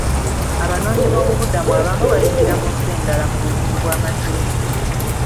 Abanoonyiboobubudamu abamu bayingira mu nsi endala mu bumenyi bw'amateeka.